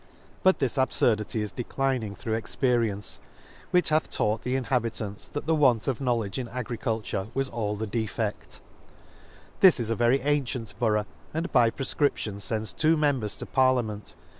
But this abfurdity is declin ing through experience; which hath taught the inhabitants, that the want of knowledge in agriculture was all the de fed. This is a very antient Borough, and by prefcription fends two members to par liament.